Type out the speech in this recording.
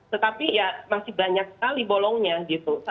tetapi ya masih banyak sekali bolongnya gitu